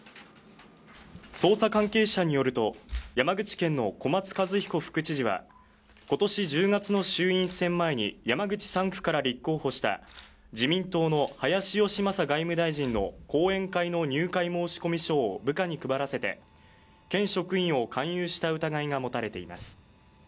捜査関係者によると山口県の小松一彦副知事はことし１０月の衆院選前に山口３区から立候補した自民党の林芳正外務大臣の後援会の入会申込書を部下に配らせて県職員を勧誘した疑いが持たれています